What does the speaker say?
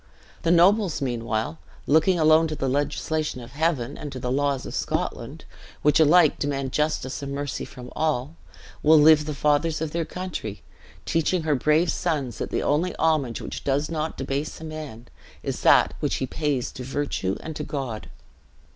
The nobles, meanwhile, looking alone to the legislation of Heaven and to the laws of Scotland, which alike demand justice and mercy from all, will live the fathers of their country, teaching her brave sons that the only homage which does not debase a man, is that which he pays to virtue and to God.